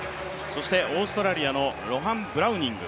オーストラリアのロハン・ブラウニング。